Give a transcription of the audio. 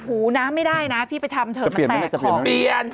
สวัสดีครับ